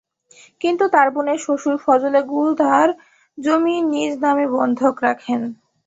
কিন্তু তাঁর বোনের শ্বশুর ফজলে গোলদার জমি নিজ নামে বন্ধক রাখেন।